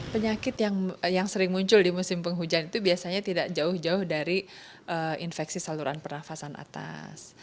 penyakit yang sering muncul di musim penghujan itu biasanya tidak jauh jauh dari infeksi saluran pernafasan atas